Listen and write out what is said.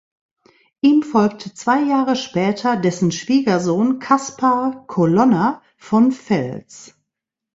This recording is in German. Ihm folgte zwei Jahre später dessen Schwiegersohn Kaspar Colonna von Fels.